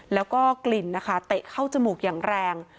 แล้วก็กลิ่นนะคะเตะเข้าจมูกอย่างแรง